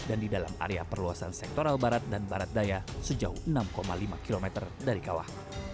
dan di dalam area perluasan sektoral barat dan barat daya sejauh enam lima km dari kawah